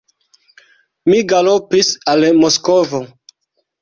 Mi galopis al Moskvo.